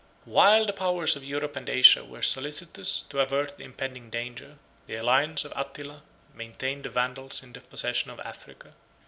] While the powers of Europe and Asia were solicitous to avert the impending danger, the alliance of Attila maintained the Vandals in the possession of Africa.